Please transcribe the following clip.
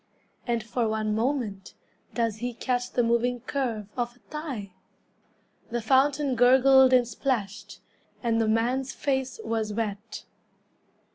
And for one moment Does he catch the moving curve Of a thigh? The fountain gurgled and splashed, And the man's face was wet.